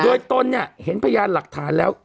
โดยตนเนี่ยเห็นพยานหลักฐานแล้ว